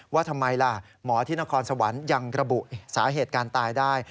ว่าทำไมล่ะหมอที่นครสวรรค์ยังระบุสาเหตุการตายได้